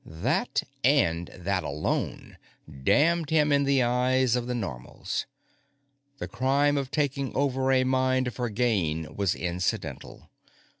That, and that alone, damned him in the eyes of the Normals; the crime of taking over a mind for gain was incidental.